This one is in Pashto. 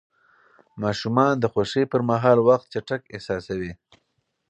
ماشومان د خوښۍ پر مهال وخت چټک احساسوي.